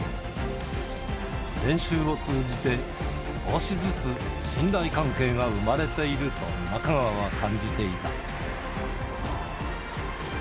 練習を通じて、少しずつ信頼関係が生まれていると、中川は感じていた。